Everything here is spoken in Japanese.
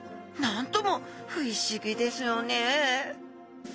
なんとも不思議ですよね。